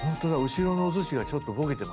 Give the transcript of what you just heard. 後ろのおすしがちょっとボケてます。